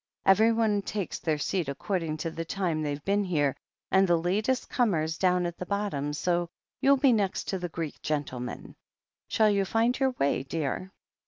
Everyone takes their seat according to the time they've been here — and the latest comers down at the bottom, so you'll be next to the Greek gentleman. Shall you find your way, dear